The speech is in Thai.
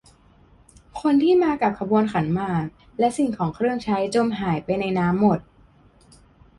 คนที่มากับขบวนขันหมาก และสิ่งของเครื่องใช้จมหายไปในน้ำหมด